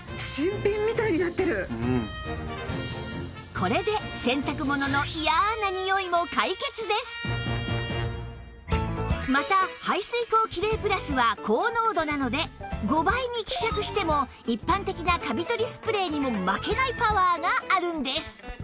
これでまた排水口キレイプラスは高濃度なので５倍に希釈しても一般的なカビ取りスプレーにも負けないパワーがあるんです